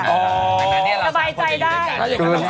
สบายใจได้